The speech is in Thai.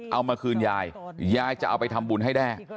เอามาคืนยายยายจะเอาไปทำบุญให้แด้